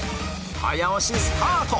早押しスタート！